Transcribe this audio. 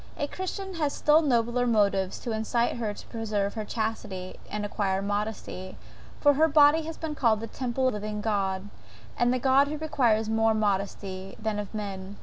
A Christian has still nobler motives to incite her to preserve her chastity and acquire modesty, for her body has been called the Temple of the living God; of that God who requires more than modesty of mien.